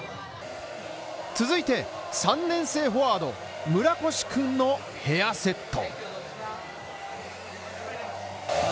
続いて、３年生フォワード村越くんのヘアセット。